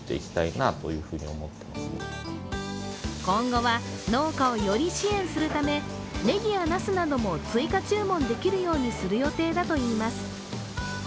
今後は農家をより支援するためねぎやなすなども追加注文できるようにする予定だといいます。